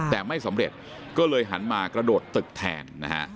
แต่ไม่สำเร็จก็เลยหันมากระโดดตึกแทนนะฮะ